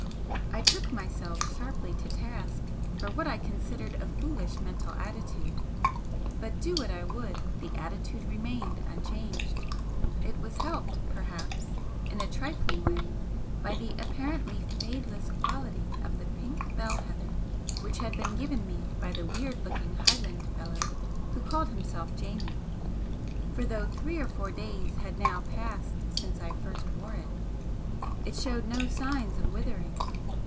I took myself sharply to task for what I considered a foolish mental attitude, but do what I would, the attitude remained unchanged. It was helped, perhaps, in a trifling way by the apparently fadeless quality of the pink bell heather which had been given me by the weird looking Highland fellow who called himself Jamie, for though three or four days had now passed since I first wore it, it showed no signs of withering.